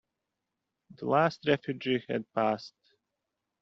The last refugee had passed.